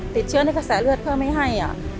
ติดเชื้อในกระแสเลือดเพื่อไม่ให้